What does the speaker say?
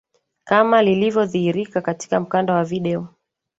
kama lilivyodhihirika katika mkanda wa video